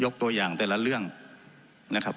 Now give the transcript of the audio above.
ตัวอย่างแต่ละเรื่องนะครับ